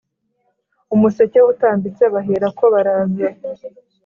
Umuseke utambitse baherako baraza